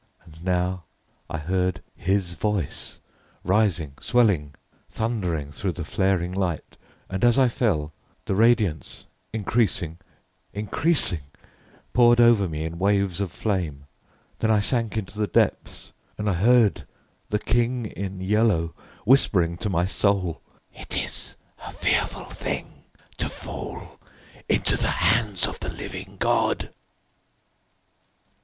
And now I heard his voice, rising, swelling, thundering through the flaring light, and as I fell, the radiance increasing, increasing, poured over me in waves of flame. Then I sank into the depths, and I heard the King in Yellow whispering to my soul: "It is a fearful thing to fall into the hands of the living God!"